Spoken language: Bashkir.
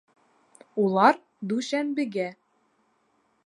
Улар дүшәмбегә